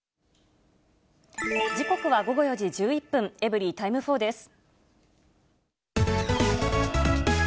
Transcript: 時刻は午後４時１１分、エブリィタイム４です。